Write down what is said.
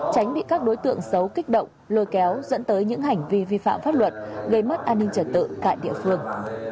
tránh bị các đối tượng xấu kích động lôi kéo dẫn tới những hành vi vi phạm pháp luật gây mất an ninh trật tự tại địa phương